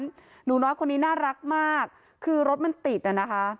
ดูนะว่าคนนี้น่ารักมากคือรถมันติดนะคะ